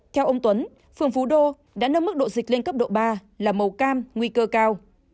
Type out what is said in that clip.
theo ông tuấn phường phú đô đã nâng mức độ dịch lên cấp độ ba là màu cam nguy cơ cao